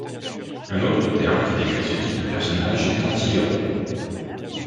Un autre terme qui décrit ce type de personnage est antihéros.